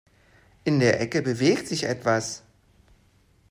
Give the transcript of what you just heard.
In der Ecke bewegt sich etwas.